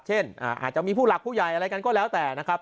เช่นอาจจะมีผู้หลักผู้ใหญ่อะไรกันก็แล้วแต่นะครับ